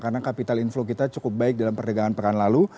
karena capital inflow kita cukup baik dalam perdagangan pekan lalu